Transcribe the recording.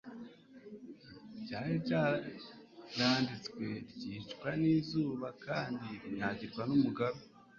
Ryari ryaranitswe, ryicwa n'izuba kandi rinyagirwa n'umugaru,